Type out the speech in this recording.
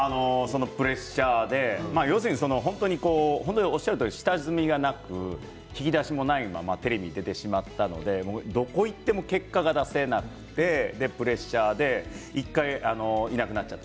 プレッシャーで要するに下積みがなく引き出しもないままテレビに出てしまったのでどこにいっても結果が出せなくてプレッシャーで１回いなくなっちゃって。